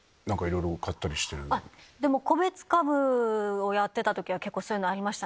個別株をやってた時は結構そういうのありましたね。